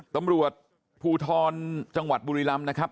ตำรวจภูทรจังหวัดบุรีรำนะครับ